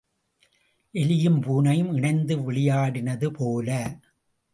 எலியும் பூனையும் இணைந்து விளையாடினது போல.